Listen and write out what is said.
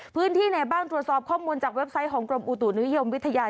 พื้นที่ไหนบ้างตรวจสอบข้อมูลจากเว็บไซต์ของกรมอุตุนิยมวิทยา